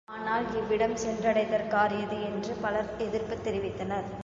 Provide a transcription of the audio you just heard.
ஆனால் இவ்விடம் சென்றடைதற்கரியது என்று பலர் எதிர்ப்புத் தெரிவித்தனர்.